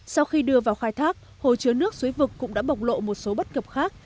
sau khi đưa vào khai thác hồ chứa nước suối vực cũng đã bộc lộ một số bất cập khác